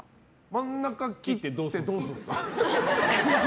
真ん中切ってどうするんですか？